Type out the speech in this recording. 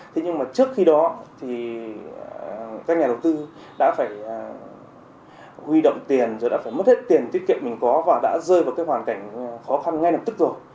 thế nhưng mà trước khi đó thì các nhà đầu tư đã phải huy động tiền rồi đã phải mất hết tiền tiết kiệm mình có và đã rơi vào cái hoàn cảnh khó khăn ngay lập tức rồi